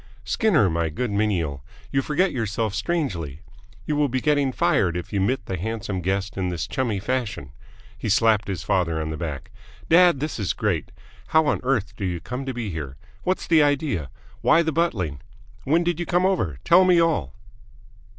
"Skinner, my good menial, you forget yourself strangely! You will be getting fired if you mitt the handsome guest in this chummy fashion!" He slapped his father on the back. "Dad, this is great! How on earth do you come to be here? What's the idea? Why the buttling? When did you come over? Tell me all!"